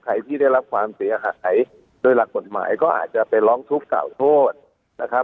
ใครที่ได้รับความเสียหายโดยหลักกฎหมายก็อาจจะไปร้องทุกข์กล่าวโทษนะครับ